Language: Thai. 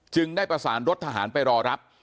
ได้ประสานรถทหารไปรอรับ